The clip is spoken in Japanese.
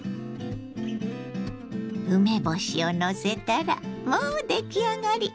梅干しをのせたらもう出来上がり！